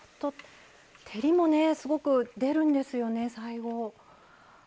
照りもすごい出るんですよね、最後。